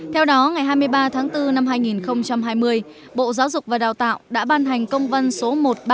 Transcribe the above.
theo đó ngày hai mươi ba tháng bốn năm hai nghìn hai mươi bộ giáo dục và đào tạo đã ban hành công văn số một nghìn ba trăm chín mươi tám